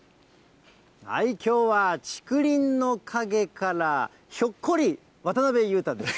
きょうは竹林の陰からひょっこり、渡辺裕太です。